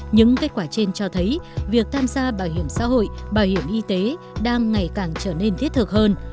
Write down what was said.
những kết quả trên cho thấy việc tham gia bảo hiểm xã hội bảo hiểm y tế đang ngày càng trở nên thiết thực hơn